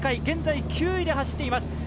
現在９位で走っています。